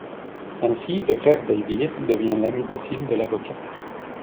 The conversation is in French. Ainsi, le frère d'Elvire devint l'ami docile de l'avocat.